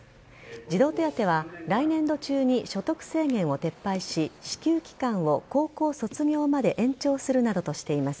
児童手当は来年度中に所得制限を撤廃し支給期間を高校卒業まで延長するなどとしています。